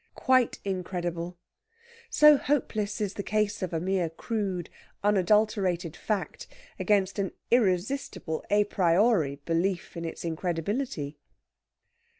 Quite incredible! So hopeless is the case of a mere crude, unadulterated fact against an irresistible a priori belief in its incredibility.